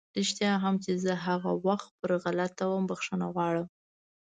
رښتيا هم چې زه هغه وخت پر غلطه وم، بښنه غواړم!